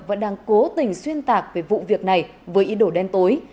vẫn đang cố tình xuyên tạc về vụ việc này với ý đồ đen tối